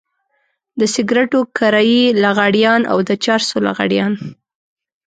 د سګرټو کرايي لغړيان او د چرسو لغړيان.